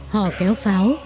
họ kéo pháo